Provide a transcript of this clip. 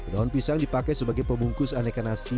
daun pisang dipakai sebagai pembungkus aneka nasi